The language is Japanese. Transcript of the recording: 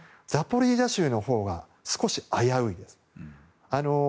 ザポリージャ州のほうは少し危ういです。